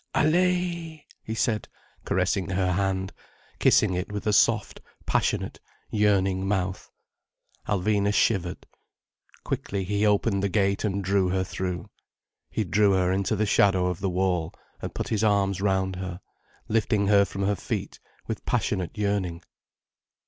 "Allaye!" he said, caressing her hand, kissing it with a soft, passionate, yearning mouth. Alvina shivered. Quickly he opened the gate and drew her through. He drew her into the shadow of the wall, and put his arms round her, lifting her from her feet with passionate yearning.